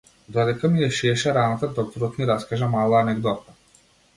Додека ми ја шиеше раната докторот ни раскажа мала анегдота.